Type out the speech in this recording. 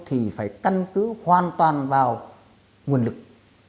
thì phải căn cứ hoàn toàn vào nguồn lực